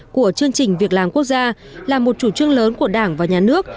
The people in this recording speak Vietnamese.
của chương trình việc làm quốc gia là một chủ trương lớn của đảng và nhà nước